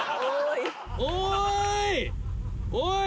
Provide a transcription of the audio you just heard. おい！